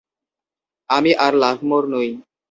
আর আমি লাভমোর নই।